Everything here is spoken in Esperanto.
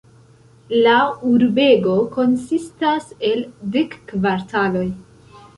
La urbego konsistas el dek kvartaloj.